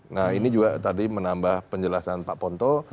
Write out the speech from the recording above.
nah ini juga tadi menambah penjelasan pak ponto